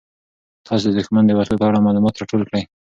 تاسو د دښمن د وسلو په اړه معلومات راټول کړئ.